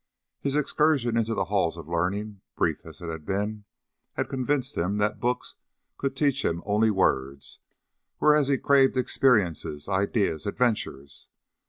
His excursion into the halls of learning, brief as it had been, had convinced him that books could teach him only words, whereas he craved experiences, ideas, adventures.